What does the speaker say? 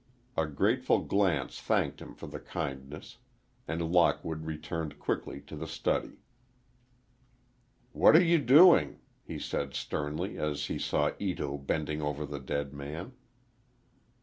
A grateful glance thanked him for the kindness, and Lockwood returned quickly to the study. "What are you doing?" he said sternly, as he saw Ito bending over the dead man.